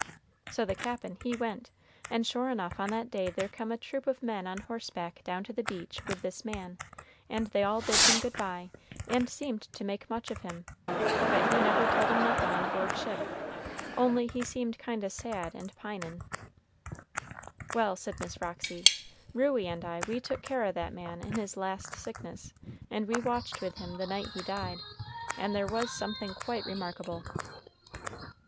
So the Cap'n he went, and sure enough on that day there come a troop of men on horseback down to the beach with this man, and they all bid him good by, and seemed to make much of him, but he never told 'em nothin' on board ship, only he seemed kind o' sad and pinin'." "Well," said Miss Roxy; "Ruey and I we took care o' that man in his last sickness, and we watched with him the night he died, and there was something quite remarkable."